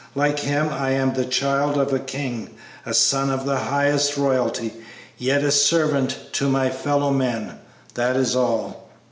Like Him, I am the child of a King, a son of the highest Royalty, yet a servant to my fellow men; that is all."